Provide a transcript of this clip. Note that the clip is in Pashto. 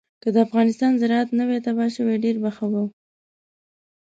که د افغانستان زراعت نه وی تباه شوی ډېر به ښه وو.